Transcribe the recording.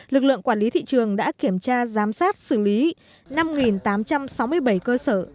lực lượng quản lý thị trường đã kiểm tra giám sát xử lý năm tám trăm sáu mươi bảy cơ sở